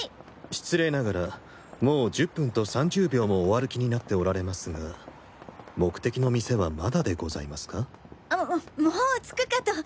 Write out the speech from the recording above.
失礼ながらもう１０分と３０秒もお歩きになっておられますが目的の店はまだでございますか？ももう着くかと。